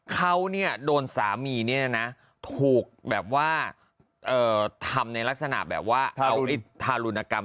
เป็นที่บิดมอเตอร์ไซค์ค่ะคุณค่ะ